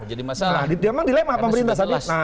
jadi memang dilema pemerintah